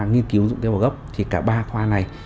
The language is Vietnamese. nghiên cứu dụng tiêu vào gốc thì cả ba khoa này